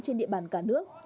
trên địa bàn cả nước